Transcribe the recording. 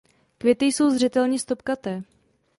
Květy jsou zřetelně stopkaté.